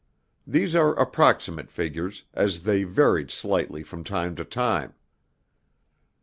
These are approximate figures, as they varied slightly from time to time.